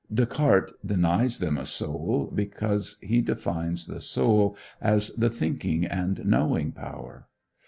Descartes denies them a soul, because he defines the soul as the thinking and knowing power.